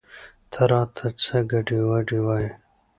ته راته څه ګډې وګډې وايې؟